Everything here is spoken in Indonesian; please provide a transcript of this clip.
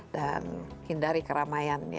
dan hindari keramaian